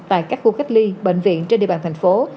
tại các khu cách ly bệnh viện trên địa bàn thành phố